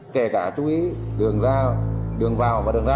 kể cả chú ý đường ra đường vào và đường ra